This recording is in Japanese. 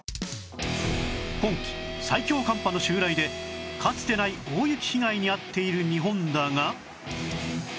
今季最強寒波の襲来でかつてない大雪被害に遭っている日本だが